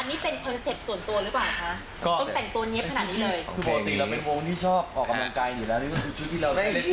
อันนี้เป็นเค้าเซ็ปส่วนตัวหรือเปล่ากันคะ